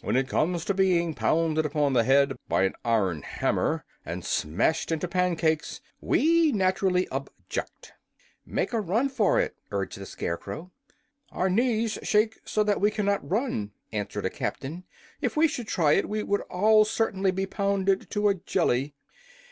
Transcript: When it comes to being pounded upon the head by an iron hammer, and smashed into pancakes, we naturally object." "Make a run for it," urged the Scarecrow. "Our knees shake so that we cannot run," answered a captain. "If we should try it we would all certainly be pounded to a jelly."